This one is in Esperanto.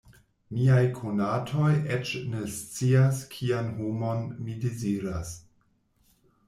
Miaj konatoj eĉ ne scias kian homon mi deziras.